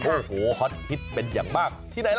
โอ้โหฮอตฮิตเป็นอย่างมาก